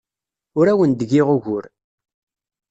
Ur awen-d-giɣ ugur.